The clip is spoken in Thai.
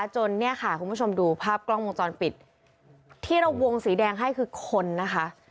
จนเนี่ยค่ะคุณผู้ชมดูภาพกล้องวงจรปิดที่เราวงสีแดงให้คือคนนะคะ